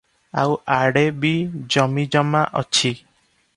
ଆଉ ଆଡ଼େ ବି ଜମିଜମା ଅଛି ।